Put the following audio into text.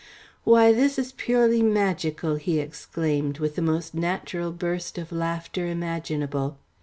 "Why, this is purely magical," he exclaimed, with the most natural burst of laughter imaginable.